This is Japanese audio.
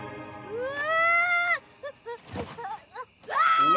うわ‼